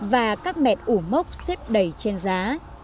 và các mẹt ủ mốc xếp đầy trên giá